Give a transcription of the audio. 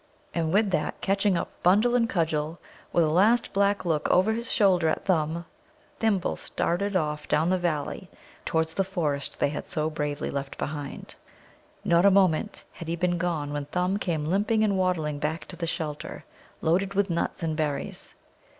And with that, catching up bundle and cudgel, with a last black look over his shoulder at Thumb, Thimble started off down the valley towards the forest they had so bravely left behind. Not a moment had he been gone when Thumb came limping and waddling back to the shelter, loaded with nuts and berries.